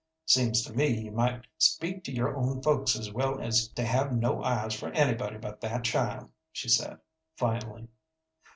"Seems to me you might speak to your own folks as well as to have no eyes for anybody but that child," she said, finally.